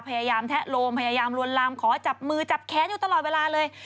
พยายามแทะโลมพยายามลวนลามขอจับมือจับแค้นอยู่ตลอดเวลาเลย